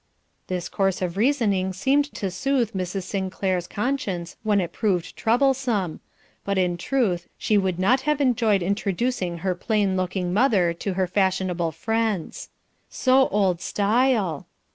This course of reasoning seemed to soothe Mrs. Sinclair's conscience when it proved troublesome, but in truth she would not have enjoyed introducing her plain looking mother to her fashionable friends. "So old style."